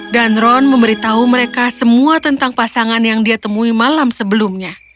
dan ron memberitahu mereka semua tentang pasangan yang dia temui malam sebelumnya